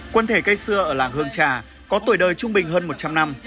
quần thể cây xưa ở làng hương trà có tuổi đời trung bình hơn một trăm linh năm